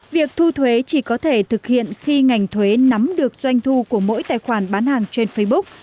việc thu thuế chỉ có thể thực hiện khi ngành thuế nắm được doanh thu của mỗi tài khoản bán hàng trên facebook